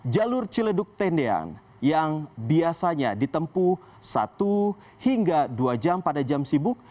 jalur ciledug tendean yang biasanya ditempuh satu hingga dua jam pada jam sibuk